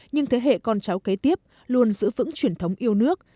nhưng thế hệ con cháu kế tiếp luôn giữ vững truyền thống yêu nước